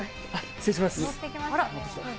失礼します。